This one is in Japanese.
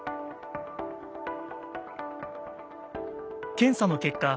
検査の結果